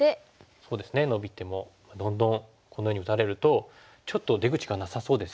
そうですねノビてもどんどんこのように打たれるとちょっと出口がなさそうですよね。